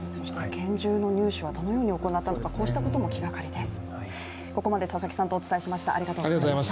拳銃の入手はどのように行ったのかこうしたことも気がかりです。